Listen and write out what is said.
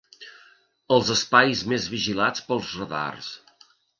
Els espais més vigilats pels radars.